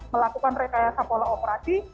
melakukan rekayasa pola operasi